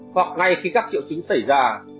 hoặc ngay khi các triệu chứng xảy ra